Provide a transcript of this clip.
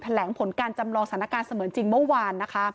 แหลงผลการจำลองสถานการณ์เสมือนจริงเมื่อวานนะคะ